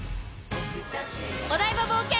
お台場冒険王。